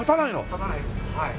建たないですはい。